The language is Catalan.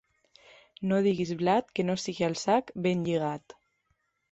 No diguis blat que no sigui al sac ben lligat.